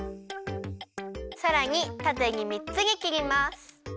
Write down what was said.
さらにたてに３つにきります。